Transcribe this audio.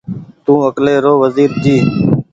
تو اڪلي رو وزير جي